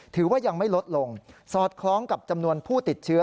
ถือว่ายังไม่ลดลงสอดคล้องกับจำนวนผู้ติดเชื้อ